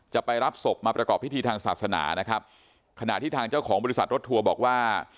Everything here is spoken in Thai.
จะไปรับศพมาประกอบพิธีทางศาสนานะครับขณะที่ทางเจ้าของบริษัทรถทัวร์บอกว่า